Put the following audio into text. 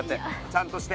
ちゃんとして。